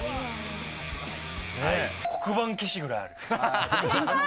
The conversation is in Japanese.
黒板消しぐらいある。